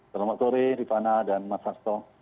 selamat sore rifana dan mas hasto